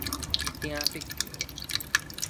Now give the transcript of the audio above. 鼎筆橋